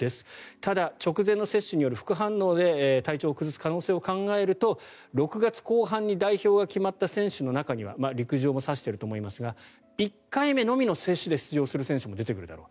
ただ、直前の接種による副反応で体調を崩す可能性を考えると６月後半に代表が決まった選手の中には陸上も指していると思いますが１回目のみの接種で出場する選手も出てくるだろう。